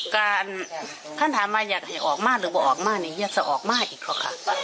การขั้นถามว่าอยากให้ออกมาหรือไม่ออกมาเนี่ยอยากจะออกมาอีกแล้วค่ะ